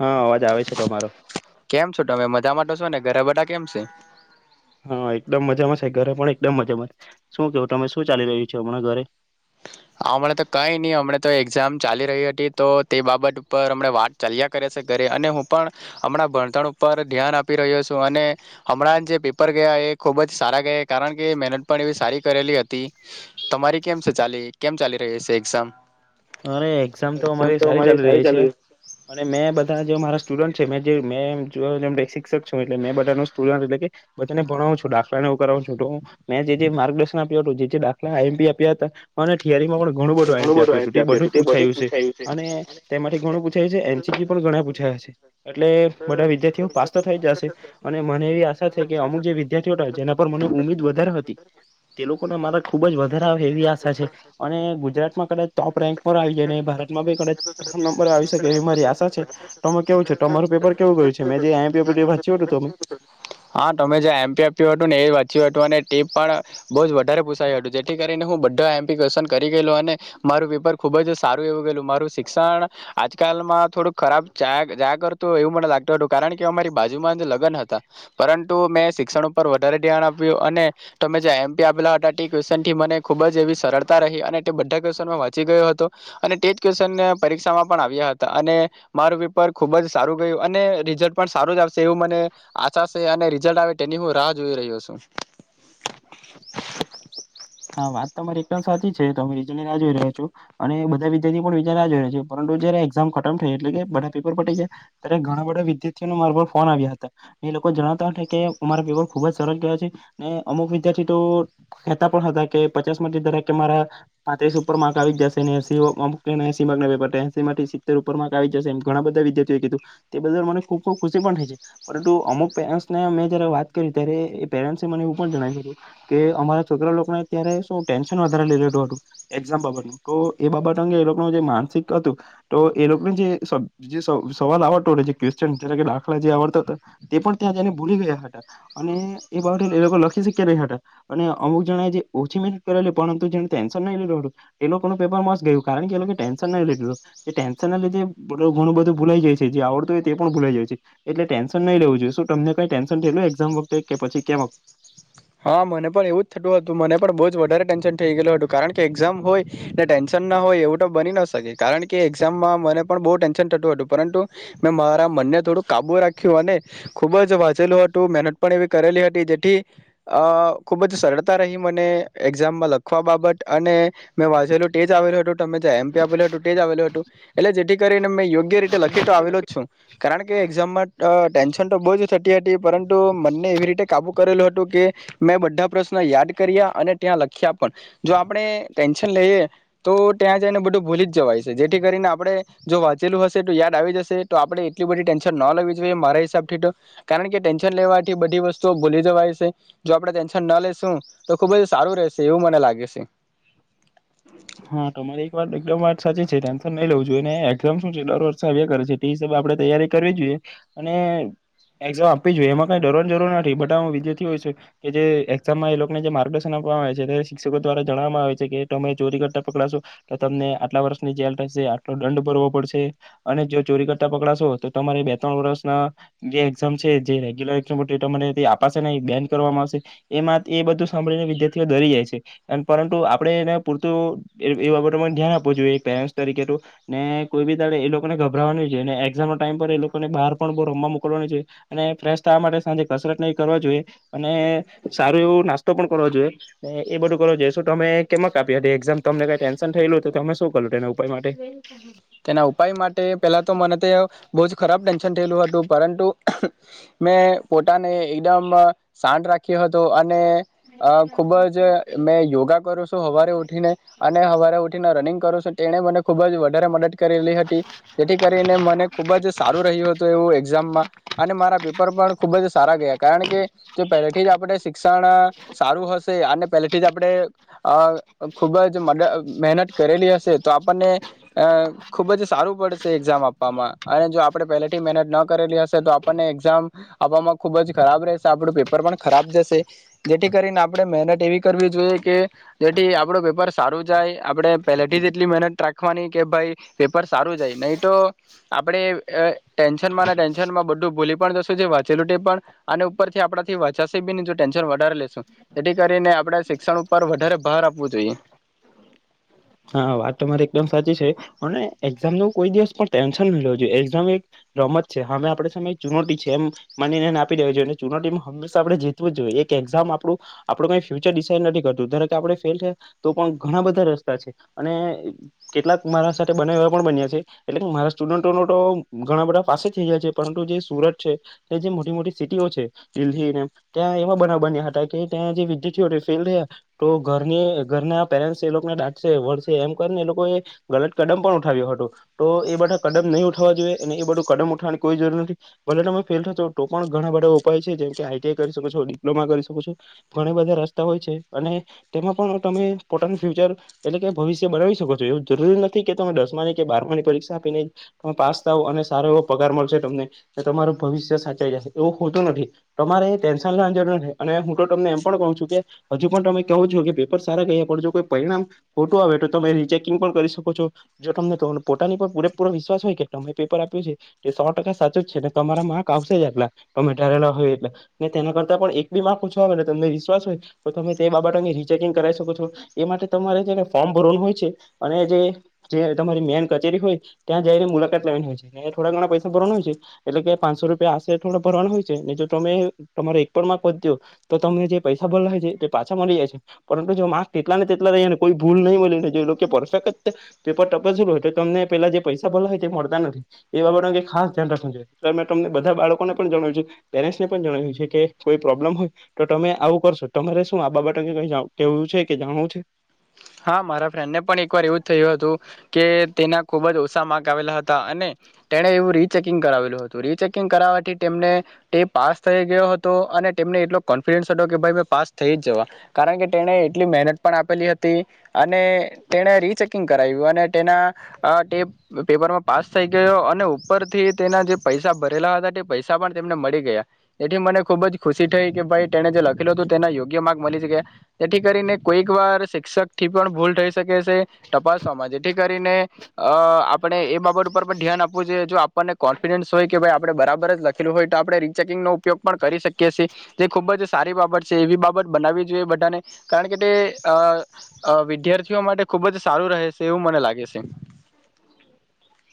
હા અવાજ આવે છે તમારો કેમ છો તમે, મજા માટે છોને, ઘરે બધા કેમ છે? હા એકદમ મજામાં છે ઘરે પણ એકદમ મજામાં શું કેવું તમે શું ચાલી રહ્યું છો હમણાં ઘરે? હમણા તો કઈ નહી હમણા તો એક્ઝામ ચાલી રહી હતી તો તે બાબત ઉપર હમણા વાત ચાલ્યા કરે છે ઘરે અને હું પણ હમણાં ભણતણ ઉપર ધ્યાન આપી રહ્યો છું અને હમણાં જે પેપર ગયા એ ખુબ જ સારા ગયા કારણ કે મહેનત પણ એવી સારી કરેલી હતી. તમારી કેમ છે ચાલી? કેમ ચાલી રહી છે એક્ઝામ? અરે એક્ઝામ તો અમારી સારી ચાલી રહી છે અને મેં બધા જો મારા સ્ટુડન્ટ છે. મેં જોવ મેં જોવ તે શિક્ષક છું એટલે મે બધા ન સુડન્ટ એટલે કે બધાને ભણાવું છું દાખલાને એવું કરાવું છું તો મેં જે જે માર્ગદર્શન આપ્યું હતું જે દાખલા આઈ એમ પી આપ્યા હતા અને થીયરીમાં પણ ઘણું બધું આઈ એમ પી આપ. તે બધું જ પૂછાયું છે અને તે માટેથી ઘણું પૂછાયું છે એન સી પી પણ ઘણા પૂછાયા છે. એટલે બધા વિદ્યાર્થીઓ પાસ તો થઈ જશે અને મને એવી આશા છે કે અમુક જે વિદ્યાર્થીઓ હતા જેના પર મને ઉમીદ વધારે હતી તે લોકોને મારા ખુબ જ વધારે આવે એવી આશા છે અને ગુજરાતમાં કદા ટોપ રેન્ક પર આવી જાય ને ભારતમાં કચ પ્રમ નંબર આવી શકે એવી મારી આશા છે. તમે કેવું છો તમારું પેપર કેવું ગયું છે મે જેપર વાંચ્યું હતું તમે. હા તમે જે એમપી આપ્યું હતું ને એ હતું અને ટેપ પણ બહુ જ વધારે પૂસાય્યું હતું જેથી કરીને હું બધો એમ્પિકેશન કરી ગયેું અને મારું પેપર ખુબ જ સારું એવું ગયેલું મારું શિક્ષણ આજકાલમાં થોડુંક ખરાબ જાય જાયા કરતું એવું મને લાગતું હતું કારણ કે મારી બાજુમાં જ લગ્ન હતા પરંતુ મેં શિક્ષણ ઉપર વધારે ધ્યાન આપ્યું અને તમે જે આઈ એમ પી આપેલા હતા ક્વેશન થી મને ખુબ જ એવી સરળતા રહી અને બધા ક્વનમાં વાંચી ગયો હતો અને ટેસ્ટ ક્વેશન પરીક્ષામાં પણ આવ્યા હતા અને મારું પેપર ખુબ જ સારું ગયું અને રિઝલ્ટ પણ સારું જ આવશે એવું મને આશા છે અને રિઝલ્ટ આવે તેની હું રાહ જોઈ રહ્યો છું. હા વાત તોરી એકદમ સાચી છે તો અમે રીજાની રાહ જોઈ રહ્યા છો અને બધા વિદ્યાર્થીઓ પણ રીજ રા જોઈ રહ્યા છે. પરંતુ જયારે એઝામ ખતમ થઈ એટલે કે બધા પેપર પટી ગયા ત્યારે ઘણા બધા વિદ્યાર્થીઓને મારા ફોન આવ્યા હતા એ લોકો જણતા હતા કે અમારા પેપર ખુબ જ સરસ ગયા છે અને અમુક વિદ્યાર્થી તો તા પચાસ માંથી કે મારા પાંત્રીસ ઉપર માર્ક આવી જશે ને એ એસી પ એસીથી સિટર માર્ક આવી જશે એમ ઘણા બધા વિદ્યાર્થીઓ કીધું. તે બદલ મને ખુબ ખુબ ખુશી પણ થઈ છે. પરંતુ અમુક પેરેન્ટને મેં જયારે વાત કરી ત્યારે એ પેરેનસ મને એવું પણ જણાવ્યું હતું કે અમાર છોકરા લોકને અતાર શું ટેન્શન વધારે લઈ લીધું હતું એઝામ બાબતનું તો એ બાબત અંગે એ લોકોનું જે માનસિક હતું તો એ લોકોને જે સ સવાલ આવડતો હતો ક્ચન દાખલા જે આવડતા હતા તે પણ ત્યાં જને ભૂલી ગયા હતા અને એ બાબતે એ લોકો લખી શખ્યા રહ્યા હતા અને અમુક જણાય જે ઓછી મહેનત કરેલી પરંતુ જે ન નહી લીધ હતું એ લોકોનું પેપર મ ગયું કારણ કે એ લોકો ટેન્શન નહી લીધું ટેન્શન લીે ઘણું બધું ભૂલાઈ જાય છે જે આવડતું હોય તે પણ ભૂલાઈ જાય છે એતલે ટેન્શન નહી લેવ જોએ શું તમને કઈ ટેન્શન થામ વખતે કે પછી વત હા મને પણ એવું જ થતું હતું મને પણ બવ વધારે ટેન્શન થઈ ગયેલુ હતું કારણ કે એક્ઝામ હોય ને ટેન્શન ના હોય એવું તો બની ન શકે કારણ કે એક્ઝામમાં મને પણ બહુ ટેન્શન થતું હતું પરંતુ મેં મારા મનને થોડું કાબુ રાખ્યું અને ખુબ જ વાંચેલું હતું મહેનત પણ એવી કરેલી હતી જેથી અ ખૂબ જ સરળતા રહી મને એક્ઝામમાં લખવા બાબત અને મેં વાંચેલું તે જ આવેલું હતું તમે એમ પી આપલું હતું તે જ આવેલું હતું એટલે જેથી કરીને મેં યોગ્ય રીતે લખી તો આવેલો જ છું કારણ કે એક્ઝામમાં ટેન્શન તો બો જ થતી હતી પરંતુ મને એવી રીતે કાબુ કરેલું હતું કે મેં બધા પ્રશ્નો યાદ કર્યા અને ત્યાં લખ્યા પણ જો આપણે ટેન્શન લઈએ તો ત્યાં જઈને બધું ભૂલી જ જવાય છે જેથી કરીને આપડે જો વાંચેલું હશે તો યાદ આવી જશે તો આપડે એટલી બધી ટેન્શન ન લેવી જોઈએ મારા હિસાબથી તો કારણ કે ટેન્શન લેવાથી બધી વસ્તુઓ ભૂલી જવાય છે જો આપણે ટેન્શન ના લેેશું તો ખુબ જ સારું રહેશે એવું મને લાગે છે હા તમારી એક વાત એકદમ વાત સાચી છે ટેન્શન નહીં લેવુ જોઈએ ને એક્ઝામ શું છે દર વર્ષે આવ્યા કરે છે તે હિસાબે આપણે તૈયારી કરવી જોઈએ અને એક્ઝામ આપવી જોઈએ એમાં કઈ ડરવાની જરૂર નથી બટ આ હું વિદ્યાર્થી હોય છું કે જે એક્ઝામમાં એ લોકોને જે માર્ગદર્શન આપવામાં આવે છે ત્યારે શિક્ષકો દ્વારા જણાવવામાં આવે છે કે તમે ચોરી કરતા પકડાશો તો તમને આટલા વર્ષની જેલ થશે આટલો દંડ ભરવો પડશે અને જો ચોરી કરતા પકડાશો તો તમારે બે ત્રણ વર્ષના જે એક્ઝામ છે જે રેગ્યુલર એમ અપાશે નહીં બેન કરવામાં આવશે એમાં એ બધું સાંભળીને વિદ્યાર્થીઓ ડરી જાય છે પરંતુ આપણે એના પૂરતું એ બાબતને ધ્યાન આપવું જોઈએ પેરેન્ટ્સ તરીકે તો ને કોઈ બી દળે એ લોકોને ગભરાવા ન જોઈએ ને એક્ઝામનો ટાઈમ પર એ લોકોને બહાર પણ બહુ રમવા મોકલવાની જોઈએ અને ફ્રેશ થવા માટે સાંજે કસરત નહીં કરવા જોઈએ અને સારું એવું નાસ્તો પણ કરવાો જોઈએ એ બધું કરવો જોઈએ શું તમે કેમાં આપી હતી એક્ઝામ તમને કઈ ટેન્શન થયેલું હતું તો તમે શું કર્યું એના ઉપાય માટે તેના ઉપાય માટે પેલા તો મને તે બહુ જ ખરાબ ટેન્શન થયેલું હતું પરંતુ મેં પોતાને એકદમ શાંત રાખ્યો હતો ખૂબ જ મે યોગા કરું છું સવારે ઉઠીને અને સવારે ઉઠીને રનિંગ કરું છું તેને મને ખુબ જ વધારે મદદ કરેલી હતી જેથી કરીને મને ખૂબ જ સારું રહ્યું હતું એવું એક્ઝામમાં અને મારા પેપર પણ ખૂબ જ સારા ગયા કારણ કે તો પહેલેથી જ આપણે શિક્ષણ સારું હશે અને પહેલેથી જ આપણે અ ખુબ જ મ મહેનત કરેલી હશે તો આપણને ખુબ જ સારું પડશે એક્ઝામ આપવામાં અને જો આપણે પહેલાથી મહેનત ન કરેલી હશે તો આપણને એક્ઝામ આપવામાં ખુબ જ ખરાબ રહેશે આપણું પેપર પણ ખરાબ જશે જેથી કરીને આપણે મહેનત એવી કરવી જોઈએ કે જેથી આપડું પેપર સારું જાય આપણે પહેલાથી જ એટલી મહેનત રાખવાની કે ભાઈ પેપર સારું જાય નહીં તો આપડણે ટેન્શનમાં ટેન્શન માં બધું ભૂલી પણ જશું જે વાંચેલું પણ અને ઉપરથી આપથી વાંચશે બી નહ જો ટેન્શન વધારે લેશું જેથી કરીને આપણે શિક્ષણ ઉપર વધારે ભાર આપવું જોઈએ હા વાત તમારી એકદમ સાચી છે અને એક્ઝામ ન કોઈ દિવસ પણ ટેન્શન નહી લવું જોઈએ એક્ઝામ એક રમત છે હમે આપ સામે ચુનોટી છે એમ માનીનેને આપી દેવી જોઈએ અને ચુન માં હમેશા આપણે જીતવું જ જોઈએ એક એક્ઝામ આપડું આપડું કઈ ફ્યુચર ડિસાાઈડ નથી કરતું આપણે ફેલ થયા તો પણ ઘણા બધા ર કેટલાક મારા સાથે બના એવા પણ બન્યા છે એટલે કે મારા સ્ટુડન્ટો તો ઘણા બધા પાસે થઈ ગયા છે પરંતુ જે સુરત છે જે મોટી મોટી સિટીઓ છે દિલ્હી ત્યાં એવા બ બન્યા હતા કે ત્યાં જે વિદ્યાર્થીઓ ફેલ થયા તો ઘર ઘરના પેરેન્ટ એ લોકો એમ કરીને એ લોકોએ ગલત કદમ પણ ઉઠાવ્યો હતો તો એ બધા કદમ નહીં ઉઠાવવા જોઈએ અને એ બધું કદમ ઉઠાવવાની કોઈ જરૂર નથી ભલે તમે ફેલ થતો તો પણ ઘણા બધા ઉપાય છે જેમ કે આઈટીઆઈ કરી શકો છો ડિપ્લોમા કરી શકો છો ઘણા બધા રસ્તા હોય છે અને તેમાં પણ તમે પોતાનું ફ્યુચર એટલે કે ભવિષ્ય બનાવી શકો છો એવું જરૂરી નથી કે તમે દસમાની કે બારમાની પરીક્ષા આપીને તમે પાસ થાવો અને સારો એવો પગાર મળશે તમને તમારું ભવિષ્ય સાચાઈ જાય એવું હોતું નથી તમારે ટેન્શન અર અને હું તો તમને એમ પણ કઉ છું કે હજુ પણ તમે કવો છો કે પેપર સારા કહ્યા પડજો કોઈ પરિણામ ખોટું આવે તો તમે રિચેકિંગ પણ કરી શકો છો જો તમને પોતાની પણ પૂરેપૂરો વિશ્વાસ હોય કે તમે પેપર આપ્યું છે તે સો ટકા સાચો જ છે ને તમારા માર્ક આવશે જ આટલા તમે ધારેલા હોય એટલા ને તેના કરતા પણ એક બી માર્ક ઓછો આવે તમને વિશ્વાસ હોય તો તમે તે બાબત અ રિચેકિંગ કરાવ શકો છો એ માટે તમારે છે ને ફમ ભરવાનું હોય છે અને જે તમારી મેન કચેરી હોય ત્યાં જઈને મુલાકાત લેવાની હોય છે થોડા ઘણા પૈસા ભરવાના હોય છે એટલે કે પાંચસો રૂપિયા આશરે થોડ ભરવાના હોય છે ને જો તમે તમારો એક પણ માર્ક વધ્યો તો તમે જે પૈસા ભરલા હોય છે એ પાછા મળી જાય છે પરંતુ જો માર્ક તેટલા ને તેટલા લઈ ને કોઈ ભૂલ નહી મળ પરફેક્ટ પેપર ટપસલું હોય તો તમને પેલા જે પૈસા ભલા હોય તે મળતા નથી એ બાબત અંગે ખાસ ધ્યાન રાખવું જોઈએ એ મે તમને બધા બાળકોને પણ જણાવ્યું છે પેરેન્ટ્ને પણ જણાવ્યું છે કે કોઈ પ્રોબ્લેમ હોય તો તમે આવું કરશો તમારે શું આ બાબત અંગે ક કેવું છે કે જાણવું છે હા મારા ફ્રેન્ડને પણ એક વાર એવું જ થયું હતું કે તેના ખુબ જ ઓછા માર્ક આવેલા હતા અને તેને એવું રીચેકિંગ કરાવેલું હતું રીચેકિંગ કરાવથી તેમને તે પાસ થઈ ગયો હતો અને તેમને એટલો કોન્ફિડન્સ હતો કે ભાઈ મે પાસ થઈ જ જવા કારણ કે તેને એટલી મહેનત પણ આપેલી હતી અને તેને રીચેકિંગ કરાવ્યું અને તેના પેપરમાં પાસ થઈ ગયો અને ઉપરથી તેના જે પૈસા ભરેલા હતા તે પૈસા પણ તેમને મળી ગયા જેથી મને ખુબ જ ખુશી થઈ કે ભાઈ તેને જે લખેલો હતો તેના યોગ્ય માર્ક મળી ગયા જેથી કરીને કોઈક વાર શિક્ષક થી પણ ભૂલ થઈ શકે છે તપાસવામાં જેથી કરીને અ આપણે એ બાબત ઉપર પણ ધ્યાન આપવું જોઈએ જો આપણને કોન્ફિડન્સ હોય કે ભાઈ આપણે બરાબર જ લખેલું હોય તો આપણે રીચેકિંગનોો ઉપયોગ પણ કરી શકીએ છીએ જે ખૂબ જ સારી બાબત છે એવી બાબત બનાવવી જોઈએ બધાને કારણ કે તે અ વિદ્યાર્થીઓ માટે ખુબ જ સારું રહે છે એવું મને લાગે છે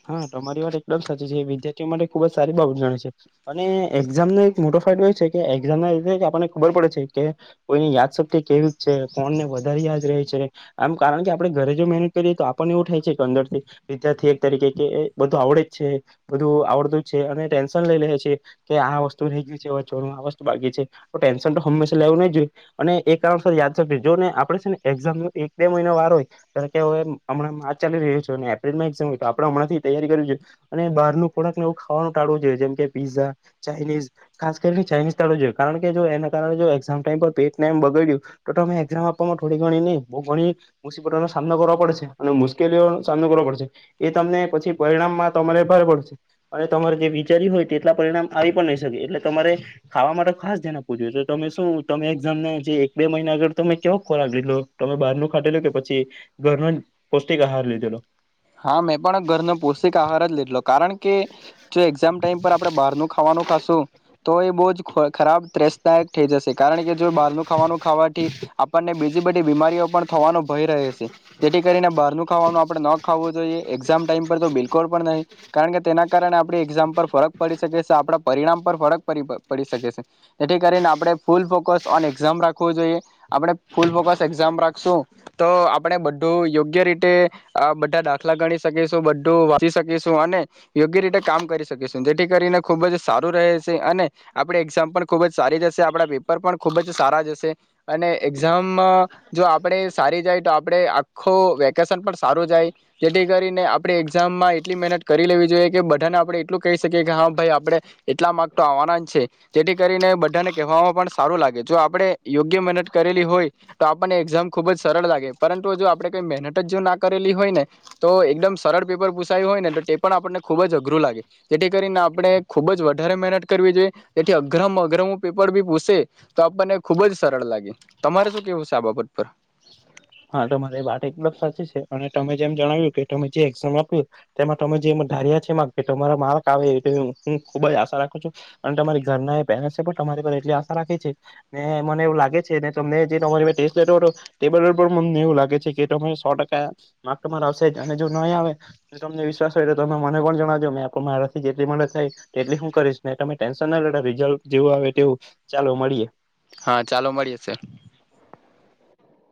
હા તમારી વાત એકદમ સાચી છે વિદ્યાર્થીઓ માટે ખુબ જ સારી બાબત જાણે છે અને એક્ઝામ નો એક મોટો ફાયદો એ છે કે એક્ઝામ ના આપણને ખબર પડે છે કે કોઈની યાદ શક્તિ કેવી છે કોણને વધારે યાદ રહે છે આમ કારણ કે આપણે ઘરે જો મહેનત કરીએ તો આપણને એવું થાય છે કે અંદર થી વિદ્યાર્થી તરીકે કે એ બધું આવડે જ છે બધું આવડતું જ છે અને ટેન્શન લઈ લે છેએ કે આ વસ્તુ રહી ગય છે આ વસ્તુ બાકી છે તો ટેન્શન તો હંમેશા લેવું નહી જોઈએ અને એ એક કારણસ યાદ રાખજ જો ને આપડે છે ને એક્ઝામ ન એક બે મહિનો વાર હોય કેવે હમણાં માચ ચાલી રહ્યું છે અને એપ્રિલમાં એક્ઝામ આપડે હમણાંથી તૈયારી કર છે અને બારનું ખોકને એવું ખાવાનું ટાળવું જોએ જેમ કે પીઝા ચાાઈનીઝ ખાસ કરીને ચાઇનીઝ ટાળવ જોઈએણ કે જો એના કારણે જો એઝામ ટાઈમ પર પેટમ બગાડ્યું તો તમે એઝામ આપવામાં થોડી ઘણી ન બ ઘણી મુસીબતો નો સામનો કરો પડશે અને મુશ્કેલીઓનોો સામનો કરવો પડશે એ તમને પછી પરિણામમાં તમારે ભાર પડે છે અને તમારે જે વિચારી્યું હોય તેટલા પરિણામ આવી પણ નહી શકે એટલે તમારે ખાવા માટે ખાસ ધ્યાન આપવું જોઈએ તો તમે શું તમે એઝામને જે એક બે મહિના આગળ તમે કેવ ખોરાક લીધેલો તમે બહાર ન ખાટેલો કે પછી ઘરનો જ પૌષ્ટિક આહાર લીધેલો હા મેં પણ ઘરનો પૌષ્ટિક આહાર જ લીધલો કારણ કે જો એક્ઝામ ટાઈમ પર આપડણે બહાર નું ખાવાનું ખાશું તો એ બહુ જ ખરાબ ત્રેસતા થઈ જશે કારણ કે જો બહારનું ખાવાનું ખાવાથી આપણને બીજ બધી બીમારીઓ પણ થવાનો ભય રહે છે તેથી કરીને બારનું ખાવાનું આપણે ન ખું જોઈએ એક્ઝામ ટાઈમ પર તો બિલકુલ પણ નહીં કારણ કે તેના કારણે આપણી એક્ઝામ પર ફરક પડી શકે છે આપણા પરિણામ પર ફરકડી પડી શકે છે જેથી કરીને આપણે ફૂલ ફોકસ ઓન એક્ઝામ રાખું જોઈએ આપણે ફૂલ ફોકસ એક્ઝામ રાખશું તો આપણે બધું યોગ્ય રીતે બધા દાખલા ગણી શકીશું બધું વાંચી શકીશું અને યોગ્ય રીતે કામ કરી શકીશું જેથી કરીને ખૂબ જ સારું રહે છે અને આપણે એક્ઝામ પણ ખૂબ જ સારી જશે આપણા પેપર પણ ખૂબ જ સારા જશે અને એક્ઝામ જો આપણે સારી જાય તો આપણે આખો વેકેશન પણ સારું જાય જેથી કરીને આપણે એક્ઝામમાં એટલી મહેનત કરી લેવી જોઈએ કે બધાને આપણે એટલું કહી શકીએ કે હા ભાઈ આપડણે એટલા માર્ક તો આવવાના જ છે તેથી કરીને બધાને કહેવામાં પણ સારું લાગે જો આપણે યોગ્ય મહેનત કરેલી હોય તો આપણને એક્ઝામ ખુબ જ સરળ લાગે પરંતુ જો આપણેઈ મહેનત જ જો ના કરેલી હોય ને તો એકદમ સરળ પેપર પૂસાયું હોય ને તો તે પણ આપણને ખુબ જ અઘરું લાગે જેથી કરીને આપણે ખુબ જ વધારે મહેનત કરવી જોઈએ જેથી અઘ્રમ અઘ્રમું પેપર બી પૂસે તો આપણને ખુબ જ સરળ લાગે તમારે શું કેવું છે આ બાબત પર હા તમારી વાત એકદમ સાચી છે અને તમે જેમ જણાવ્યું કે તમે જે એક્ઝામ આપ્યું તેમાં તમે જે ધાર્યા છે તમારા માર્ક આવે એ હું ખુબ જ આશા રાખું છું અને તમારી ઘરના પેરે પણ તમારી એટલી આશા રાખે છે ને મને એવું લાગે છે ને તટે પણ મમને એવું લાગે છે કે તરે સો ટકા માર્ક તમાર આવશે જ અને જો નહીં આવે તમને વિશ્વાસ હોય તો તમે મને પણ જણાવજો મે આપ મારાથી જેટલી મળે થાય તેટલી શું કરીશ ને તમે ટેન્શન ના લે રિઝલ્ટ જેવું આવે તેવું ચાલો મળીએ હા ચાલો મળી હશે